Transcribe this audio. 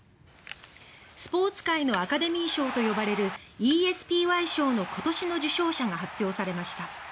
スポーツ界のアカデミー賞と呼ばれるＥＳＰＹ賞の今年の受賞者が発表されました。